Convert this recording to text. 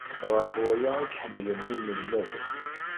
Ɣef waya ay k-ḥemmlen yinelmaden.